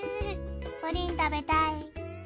プリン食べたい。